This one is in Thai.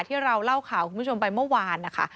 ที่เราเล่าข่าวคุณผู้ชมไปเมื่อวานนะคะ